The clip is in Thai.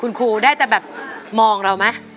คุณครูได้แต่แบบมองเราไหม